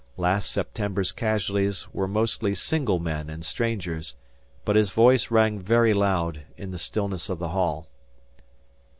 Last September's casualties were mostly single men and strangers, but his voice rang very loud in the stillness of the hall.